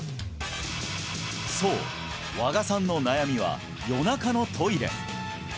そう和賀さんの悩みは夜中のトイレ